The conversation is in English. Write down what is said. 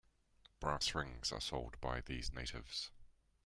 Brass rings are sold by these natives.